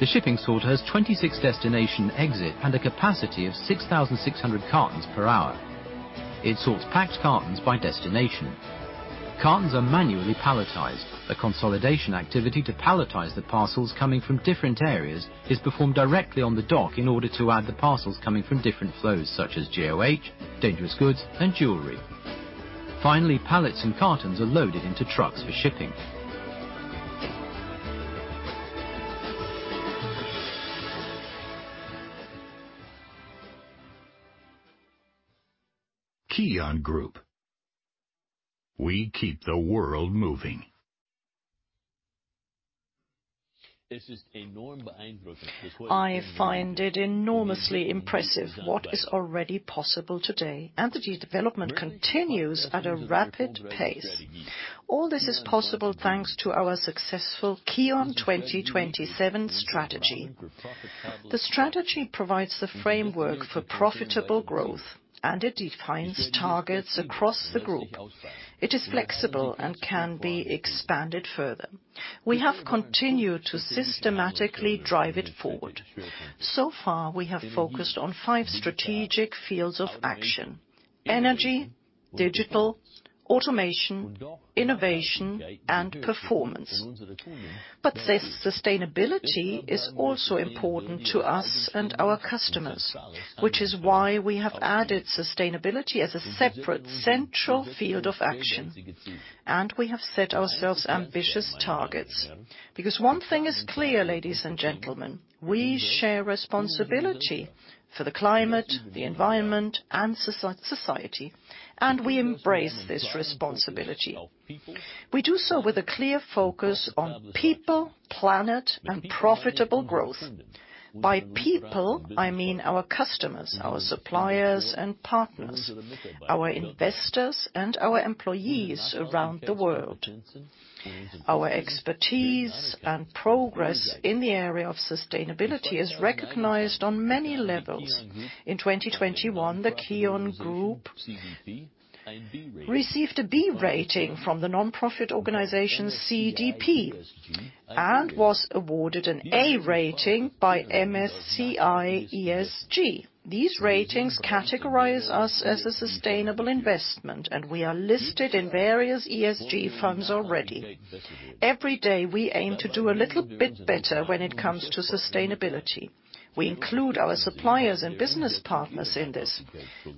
The shipping sorter has 26 destination exits and a capacity of 6,600 cartons per hour. It sorts packed cartons by destination. Cartons are manually palletized. The consolidation activity to palletize the parcels coming from different areas is performed directly on the dock in order to add the parcels coming from different flows, such as GOH, dangerous goods, and jewelry. Finally, pallets and cartons are loaded into trucks for shipping. KION Group, we keep the world moving. I find it enormously impressive what is already possible today, and the development continues at a rapid pace. All this is possible thanks to our successful KION 2027 strategy. The strategy provides the framework for profitable growth, and it defines targets across the group. It is flexible and can be expanded further. We have continued to systematically drive it forward. So far, we have focused on five strategic fields of action, energy, digital, automation, innovation, and performance. This sustainability is also important to us and our customers, which is why we have added sustainability as a separate central field of action, and we have set ourselves ambitious targets. Because one thing is clear, ladies and gentlemen, we share responsibility for the climate, the environment, and society, and we embrace this responsibility. We do so with a clear focus on people, planet, and profitable growth. By people, I mean our customers, our suppliers and partners, our investors, and our employees around the world. Our expertise and progress in the area of sustainability is recognized on many levels. In 2021, the KION Group received a B rating from the nonprofit organization CDP and was awarded an A rating by MSCI ESG. These ratings categorize us as a sustainable investment, and we are listed in various ESG funds already. Every day, we aim to do a little bit better when it comes to sustainability. We include our suppliers and business partners in this.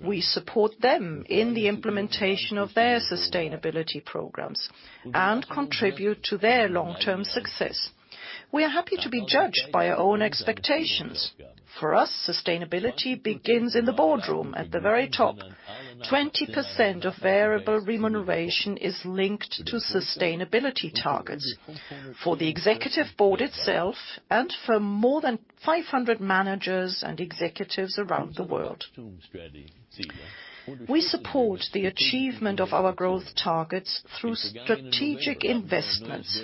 We support them in the implementation of their sustainability programs and contribute to their long-term success. We are happy to be judged by our own expectations. For us, sustainability begins in the boardroom at the very top. 20% of variable remuneration is linked to sustainability targets for the executive board itself and for more than 500 managers and executives around the world. We support the achievement of our growth targets through strategic investments.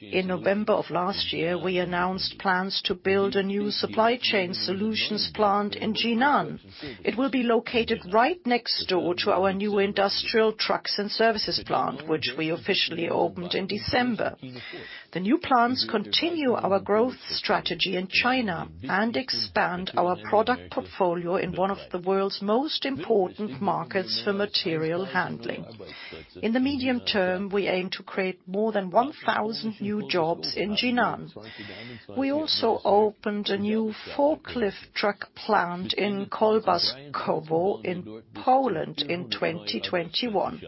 In November of last year, we announced plans to build a new Supply Chain Solutions plant in Jinan. It will be located right next door to our new Industrial Trucks and Services plant, which we officially opened in December. The new plants continue our growth strategy in China and expand our product portfolio in one of the world's most important markets for material handling. In the medium term, we aim to create more than 1,000 new jobs in Jinan. We also opened a new forklift truck plant in Kołbaskowo in Poland in 2021.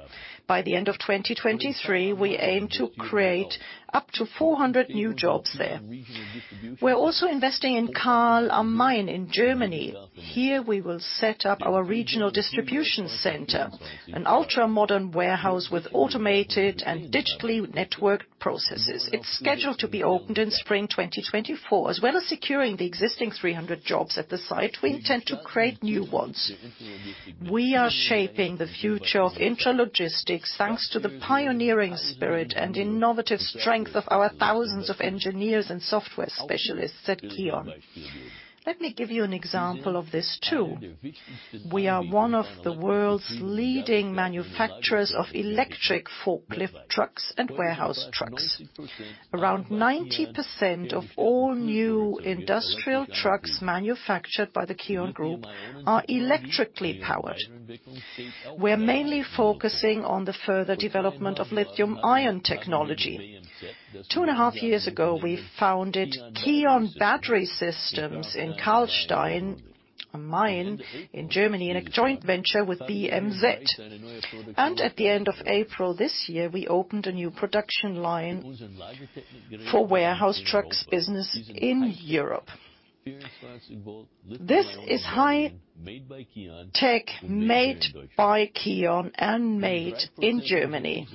By the end of 2023, we aim to create up to 400 new jobs there. We're also investing in Kahl am Main in Germany. Here, we will set up our regional distribution center, an ultra-modern warehouse with automated and digitally networked processes. It's scheduled to be opened in spring 2024. As well as securing the existing 300 jobs at the site, we intend to create new ones. We are shaping the future of intralogistics, thanks to the pioneering spirit and innovative strength of our thousands of engineers and software specialists at KION. Let me give you an example of this too. We are one of the world's leading manufacturers of electric forklift trucks and warehouse trucks. Around 90% of all new industrial trucks manufactured by the KION Group are electrically powered. We're mainly focusing on the further development of lithium-ion technology. Two and a half years ago, we founded KION Battery Systems in Karlstein am Main in Germany, in a joint venture with BMZ. At the end of April this year, we opened a new production line for warehouse trucks business in Europe. This is high tech made by KION and made in Germany.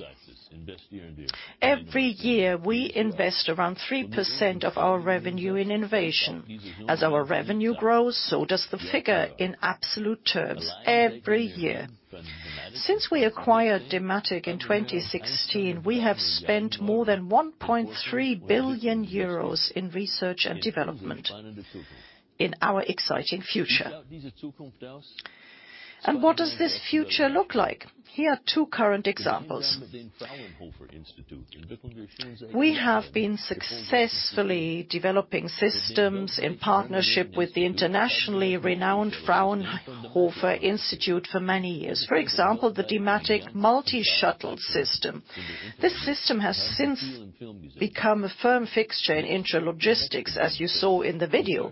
Every year, we invest around 3% of our revenue in innovation. As our revenue grows, so does the figure in absolute terms every year. Since we acquired Dematic in 2016, we have spent more than 1.3 billion euros in research and development in our exciting future. What does this future look like? Here are two current examples. We have been successfully developing systems in partnership with the internationally renowned Fraunhofer Institute for many years. For example, the Dematic Multishuttle system. This system has since become a firm fixture in intralogistics, as you saw in the video.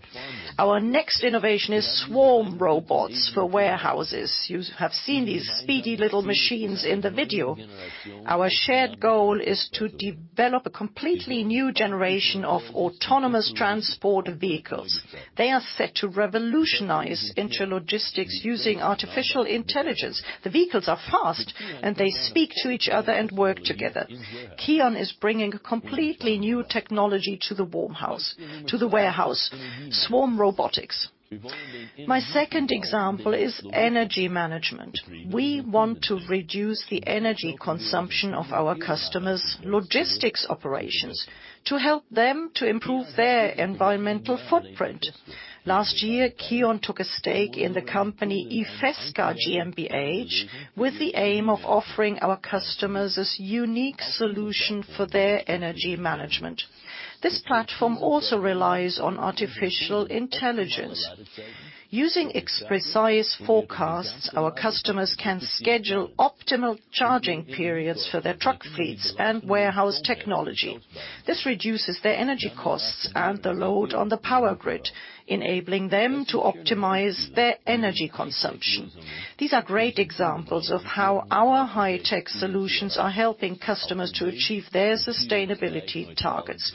Our next innovation is swarm robots for warehouses. You have seen these speedy little machines in the video. Our shared goal is to develop a completely new generation of autonomous transport vehicles. They are set to revolutionize intralogistics using artificial intelligence. The vehicles are fast, and they speak to each other and work together. KION is bringing a completely new technology to the warehouse, swarm robotics. My second example is energy management. We want to reduce the energy consumption of our customers' logistics operations to help them to improve their environmental footprint. Last year, KION took a stake in the company ifesca GmbH, with the aim of offering our customers this unique solution for their energy management. This platform also relies on artificial intelligence. Using precise forecasts, our customers can schedule optimal charging periods for their truck fleets and warehouse technology. This reduces their energy costs and the load on the power grid, enabling them to optimize their energy consumption. These are great examples of how our high-tech solutions are helping customers to achieve their sustainability targets.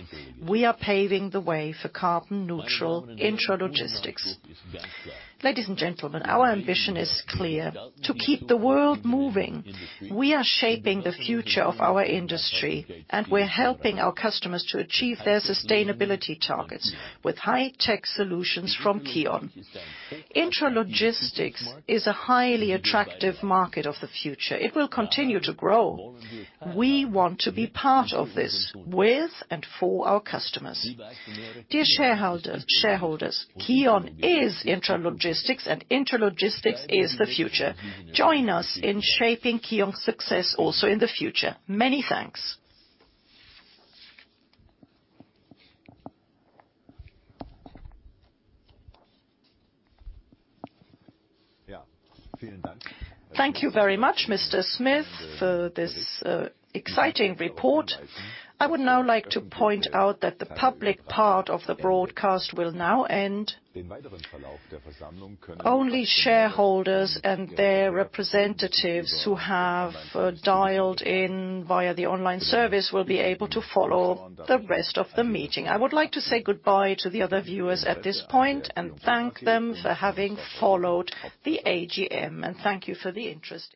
We are paving the way for carbon-neutral intralogistics. Ladies and gentlemen, our ambition is clear, to keep the world moving. We are shaping the future of our industry, and we're helping our customers to achieve their sustainability targets with high-tech solutions from KION. Intralogistics is a highly attractive market of the future. It will continue to grow. We want to be part of this with and for our customers. Dear shareholder, shareholders, KION is intralogistics, and intralogistics is the future. Join us in shaping KION's success also in the future. Many thanks. Thank you very much, Mr. Smith, for this exciting report. I would now like to point out that the public part of the broadcast will now end. Only shareholders and their representatives who have dialed in via the online service will be able to follow the rest of the meeting. I would like to say goodbye to the other viewers at this point and thank them for having followed the AGM, and thank you for the interest.